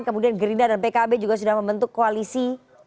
kemudian gerindra dan pkb juga sudah membentuk koalisi